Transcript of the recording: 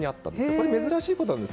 これは珍しいことなんです。